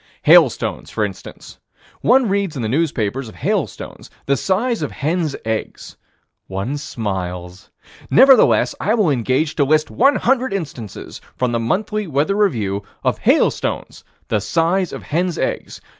Hailstones, for instance. One reads in the newspapers of hailstones the size of hens' eggs. One smiles. Nevertheless I will engage to list one hundred instances, from the Monthly Weather Review, of hailstones the size of hens' eggs.